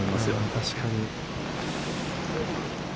確かに。